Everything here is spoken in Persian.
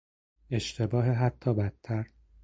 اشتباه حتی بدتر